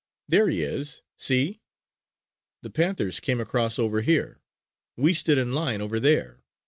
"There he is, see? The panthers came across over here; we stood in line over there.